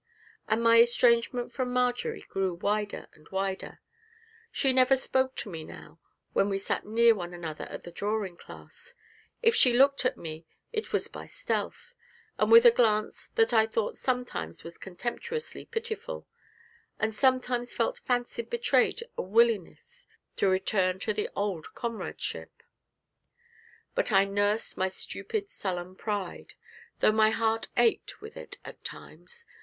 And my estrangement from Marjory grew wider and wider; she never spoke to me now when we sat near one another at the drawing class; if she looked at me it was by stealth, and with a glance that I thought sometimes was contemptuously pitiful, and sometimes half fancied betrayed a willingness to return to the old comradeship. But I nursed my stupid, sullen pride, though my heart ached with it at times.